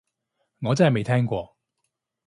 我真係未聽過